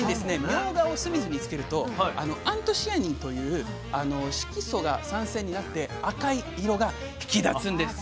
みょうがを酢水につけるとアントシアニンという色素が酸性になって赤い色が引き立つんです。